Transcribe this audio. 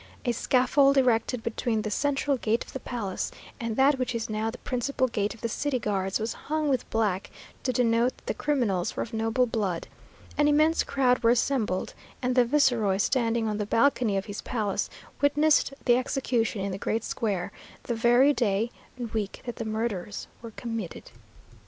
A scaffold erected between the central gate of the palace, and that which is now the principal gate of the city guards, was hung with black to denote that the criminals were of noble blood. An immense crowd were assembled; and the viceroy, standing on the balcony of his palace, witnessed the execution in the great square, the very day week that the murders were committed.